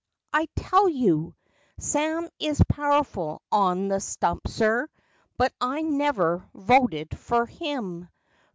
I tell you , Sam is powerful on the stump, sir; But I never voted fer him.